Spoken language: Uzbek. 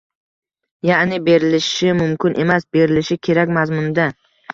Ya’ni, “berilishi mumkin” emas, “berilishi kerak” mazmunida.